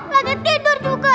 lagi tidur juga